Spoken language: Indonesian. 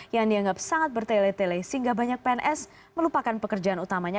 yang dianggap sangat bertele tele sehingga banyak pns melupakan pekerjaan utamanya